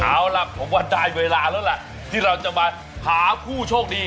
เอาล่ะผมว่าได้เวลาแล้วล่ะที่เราจะมาหาผู้โชคดี